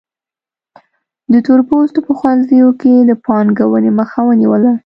د تور پوستو په ښوونځیو کې د پانګونې مخه ونیوله.